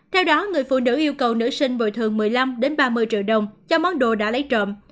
theo đó người phụ nữ yêu cầu nữ sinh bồi thường một mươi năm ba mươi triệu đồng cho món đồ đã lấy trộm